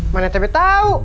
emaknya tb tau